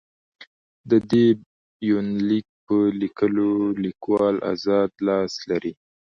د دې يونليک په ليکلوکې ليکوال اذاد لاس لري.